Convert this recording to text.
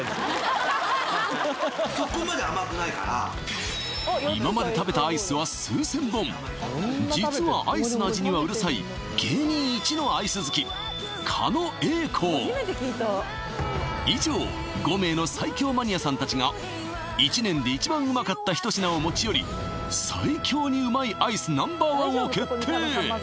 そこまで甘くないから今まで実はアイスの味にはうるさい以上５名の最強マニアさん達が一年で一番うまかった一品を持ち寄り最強にうまいアイスＮｏ．１を決定